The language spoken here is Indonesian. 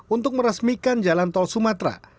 untuk meresmikan jalan tol sumatera